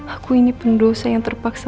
aku ini pendosa yang terpaksa